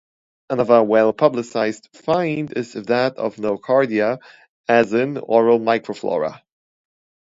Another well publicized find is that of Nocardia as an oral microflora.